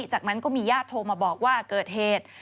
จากนั้นก็มีญาติโทรมาบอกว่าเกิดเหตุ